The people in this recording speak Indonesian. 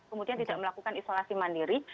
kemudian tidak melakukan isolasi mandiri